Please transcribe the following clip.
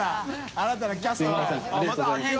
新たなキャストが。